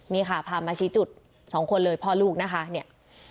นี่ค่ะพามาชี้จุดสองคนเลยพ่อลูกนะคะเนี่ย